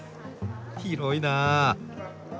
広いなあ。